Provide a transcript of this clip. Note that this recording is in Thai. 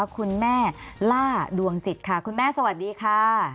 คุณแม่ล่าดวงจิตค่ะคุณแม่สวัสดีค่ะ